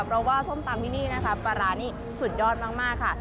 เพราะว่าส้มตำที่นี่นะคะปลาร้านี่สุดยอดมากค่ะ